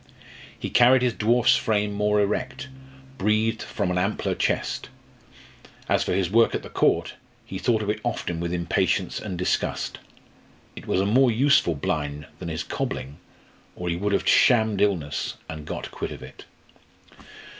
He carried his dwarf's frame more erect, breathed from an ampler chest. As for his work at the Court, he thought of it often with impatience and disgust. It was a more useful blind than his cobbling, or he would have shammed illness and got quit of it.